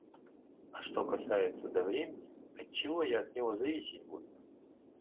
А что касается до времени - отчего я от него зависеть буду?